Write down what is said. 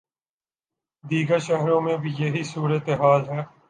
دیگر شہروں میں بھی یہی صورت حال ہے۔